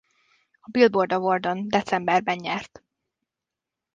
A Billboard Award-on decemberben nyert.